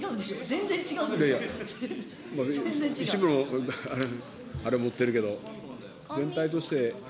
一部のあれもってるけど、全体として。